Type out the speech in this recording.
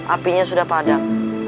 apinya sudah padam